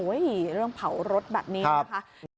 เรื่องเผารถแบบนี้นะคะ